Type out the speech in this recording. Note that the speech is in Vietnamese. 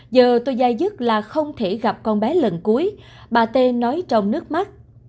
giờ tôi dai dứt là không thể gặp con bé lần cuối bà tê nói trong nước mắt